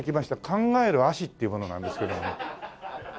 考える葦っていう者なんですけどここは？